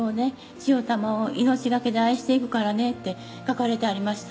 「ちよたまを命懸けで愛していくからね」って書かれてありました